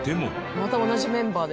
また同じメンバーで。